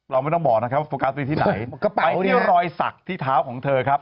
เราไม่ต้องบอกนะครับว่าโฟกัสไปที่ไหนไปที่รอยสักที่เท้าของเธอครับ